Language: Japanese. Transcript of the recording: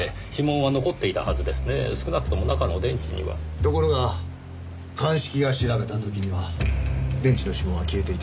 ところが鑑識が調べた時には電池の指紋は消えていた。